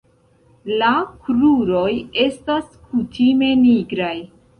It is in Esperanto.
La kruroj estas kutime nigraj.